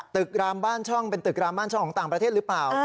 รามบ้านช่องเป็นตึกรามบ้านช่องของต่างประเทศหรือเปล่า